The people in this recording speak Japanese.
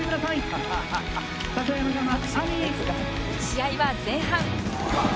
試合は前半